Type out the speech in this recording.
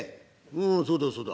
「うんそうだそうだ。